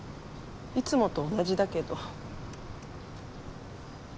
いつもと同じだけど。